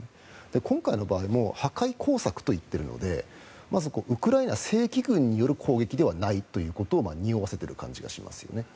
今回の場合も破壊工作といっているのでまず、ウクライナ正規軍による攻撃ではないということをにおわせてる感じがしますよね。